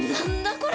これ。